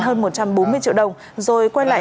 hơn một trăm bốn mươi triệu đồng rồi quay lại